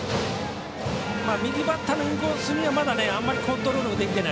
右バッターのインコースにはまだあんまりコントロールできていない。